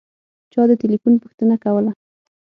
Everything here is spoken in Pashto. چا د تیلیفون پوښتنه کوله.